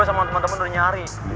gue sama temen temen udah nyari